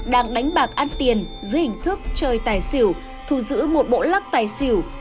đang đánh bạc ăn tiền dưới hình thức chơi tài xỉu thu giữ một bộ lắc tài xỉu